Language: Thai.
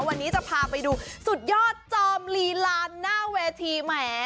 วันนี้จะพาไปดูสุดยอดจอมลีลานหน้าเวทีแหม